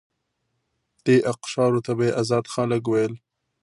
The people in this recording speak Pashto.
دې اقشارو ته به یې آزاد خلک ویل.